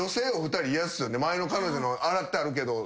前の彼女の洗ってあるけど。